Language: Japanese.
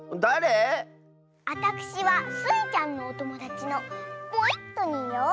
あたくしはスイちゃんのおともだちのポイットニーよ。